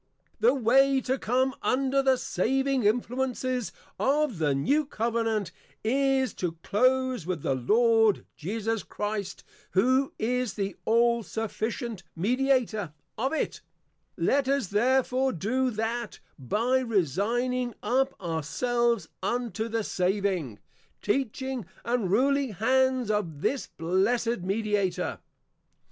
The way to come under the Saving Influences of the New Covenant, is, to close with the Lord Jesus Christ, who is the All sufficient Mediator of it: Let us therefore do, that, by Resigning up our selves unto the Saving, Teaching, and Ruling Hands of this Blessed Mediator.